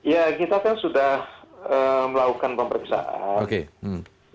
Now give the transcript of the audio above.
ya kita kan sudah melakukan pemeriksaan